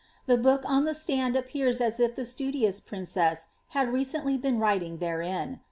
The book on the stand appears as if the studious princess had recently been writii^ therein.